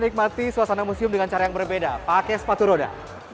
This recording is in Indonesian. di sini kita akan menikmati suasana museum dengan cara yang berbeda pakai sepatu roda